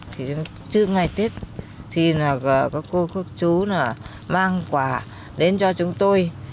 trước ngày tết thì có cô có chú mang quà đến cho chúng tôi